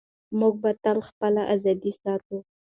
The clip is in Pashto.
موږ به تل خپله ازادي ساتو.